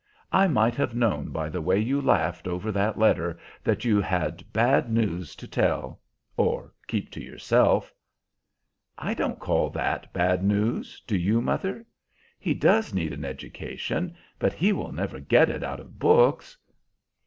I might have known by the way you laughed over that letter that you had bad news to tell or keep to yourself." "I don't call that bad news, do you, mother? He does need an education, but he will never get it out of books."